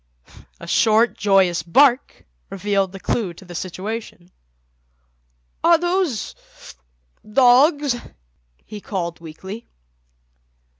A short, joyous bark revealed the clue to the situation. "Are those—dogs?" he called weakly.